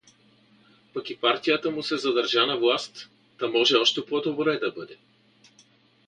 Пък и партията му се задържа на власт, та може още по-добро да бъде.